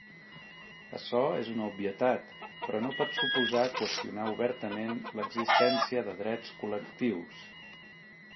Açò és una obvietat, però no pot suposar qüestionar obertament l'existència de drets col·lectius.